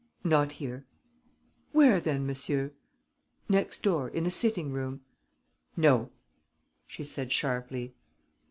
"Not here." "Where then, monsieur?" "Next door, in the sitting room." "No," she said, sharply.